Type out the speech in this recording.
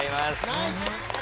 ナイス！